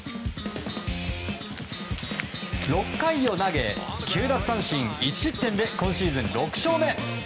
６回を投げ９奪三振１失点で今シーズン６勝目。